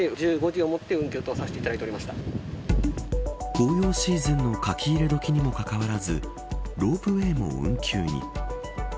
紅葉シーズンのかき入れ時にもかかわらずロープウエーも運休に。